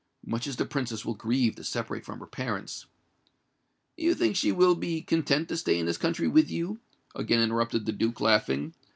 "Much as the Princess will grieve to separate from her parents——" "You think she will be content to stay in this country with you," again interrupted the Duke, laughing.